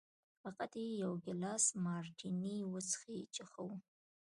فقط مې یو ګیلاس مارتیني وڅښی چې ښه و.